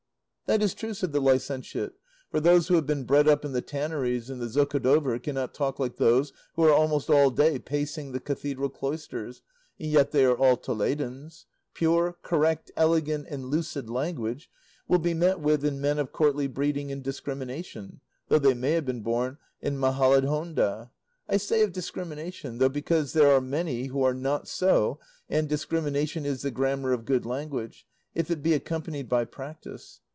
"That is true," said the licentiate, "for those who have been bred up in the Tanneries and the Zocodover cannot talk like those who are almost all day pacing the cathedral cloisters, and yet they are all Toledans. Pure, correct, elegant and lucid language will be met with in men of courtly breeding and discrimination, though they may have been born in Majalahonda; I say of discrimination, because there are many who are not so, and discrimination is the grammar of good language, if it be accompanied by practice.